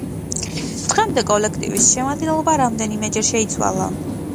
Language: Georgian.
დღემდე კოლექტივის შემადგენლობა რამდენიმეჯერ შეიცვალა.